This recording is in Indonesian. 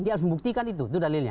dia harus membuktikan itu